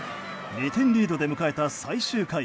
２点リードで迎えた最終回。